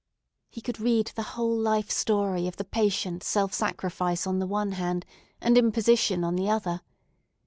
He could read the whole life story of the patient self sacrifice on the one hand and imposition on the other.